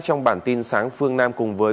trong bản tin sáng phương nam cùng với